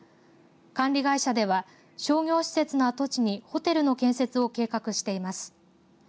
管理会社では商業施設の跡地にホテルの建設を計画しています。